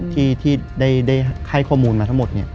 ที่ได้ให้ข้อมูลมาทั้งหมด